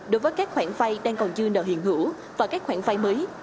đối với các khoản vay đang còn dư nợ hiện hữu và các khoản vay mới